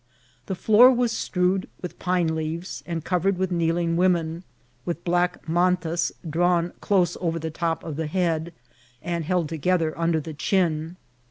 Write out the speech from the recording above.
The floor was strewed with pine leaves, and covered with kneeling women, with black mantas drawn close over the top of the head, and held together under the chin.